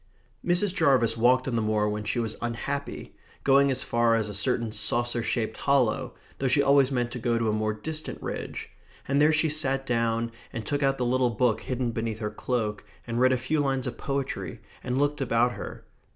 Mrs. Jarvis walked on the moor when she was unhappy, going as far as a certain saucer shaped hollow, though she always meant to go to a more distant ridge; and there she sat down, and took out the little book hidden beneath her cloak and read a few lines of poetry, and looked about her.